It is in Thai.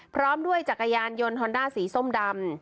พร้อมด้วยจักรยานยนต์ฮอนด้าสีส้มดำ